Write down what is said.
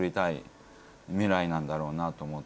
なんだろうなと思って。